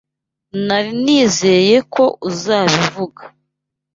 Nari nizeye ko uzabivuga.